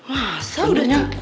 masa udah cukup